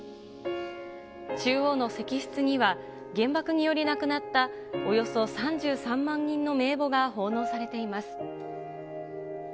中央の石室には、原爆により亡くなったおよそ３３万人の名簿が奉納されています。